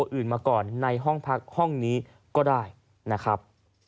และถือเป็นเคสแรกที่ผู้หญิงและมีการทารุณกรรมสัตว์อย่างโหดเยี่ยมด้วยความชำนาญนะครับ